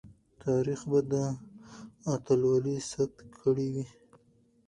تاریخ به دا اتلولي ثبت کړې وي.